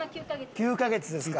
９カ月ですか。